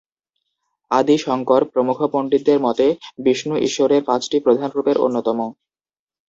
আদি শংকর প্রমুখ পণ্ডিতদের মতে, বিষ্ণু ঈশ্বরের পাঁচটি প্রধান রূপের অন্যতম।।